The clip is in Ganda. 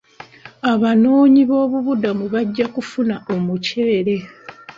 Abanoonyi b'obubuddamu bajja kufuna omuceere.